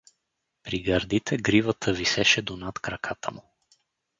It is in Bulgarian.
При гърдите гривата висеше до над краката му.